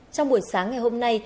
trong buổi sáng ngày hôm nay